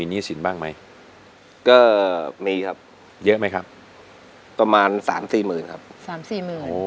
จะเอาเงินร้านไปทำอะไร